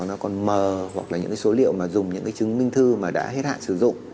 nó còn mờ hoặc là những cái số liệu mà dùng những cái chứng minh thư mà đã hết hạn sử dụng